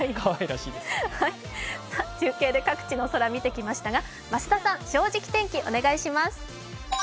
中継で各地の空見てきましたが、増田さん、「正直天気」、お願いします。